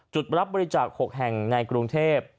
จุดรับบริจาค๖แห่งในกรุงเทพ